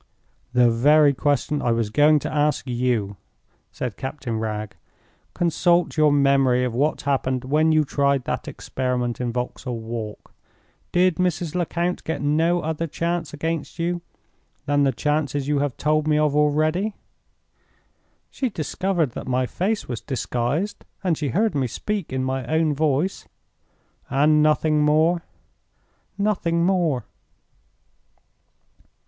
"The very question I was going to ask you," said Captain Wragge. "Consult your memory of what happened when you tried that experiment in Vauxhall Walk. Did Mrs. Lecount get no other chance against you than the chances you have told me of already?" "She discovered that my face was disguised, and she heard me speak in my own voice." "And nothing more?" "Nothing more."